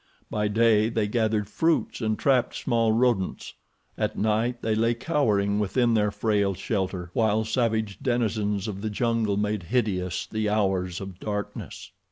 By day they gathered fruits and trapped small rodents; at night they lay cowering within their frail shelter while savage denizens of the jungle made hideous the hours of darkness.